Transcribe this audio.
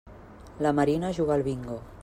La Marina juga al bingo.